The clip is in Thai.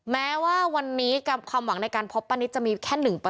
แม้ว่าวันนี้ความหวังในการพบป้านิตจะมีแค่๑